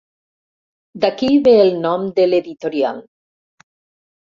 D'aquí ve el nom de l'editorial.